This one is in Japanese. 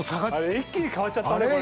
一気に変わっちゃったねこれで。